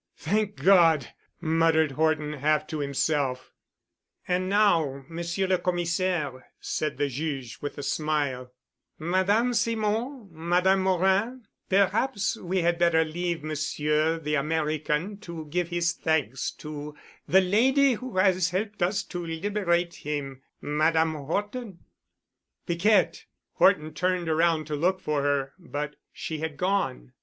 "Thank God!" muttered Horton, half to himself. "And now, Monsieur le Commissaire," said the Juge, with a smile, "Madame Simon, Madame Morin, perhaps we had better leave Monsieur the American to give his thanks to the lady who has helped us to liberate him—Madame Horton——" "Piquette——" Horton turned around to look for her but she had gone.